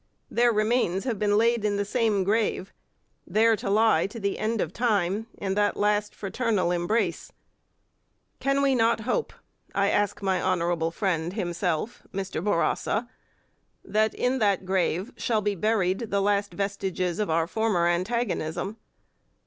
Their remains have been laid in the same grave, there to lie to the end of time in that last fraternal embrace. Can we not hope, I ask my honourable friend himself [Mr Bourassa], that in that grave shall be buried the last vestiges of our former antagonism?